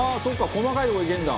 細かいとこいけるんだ。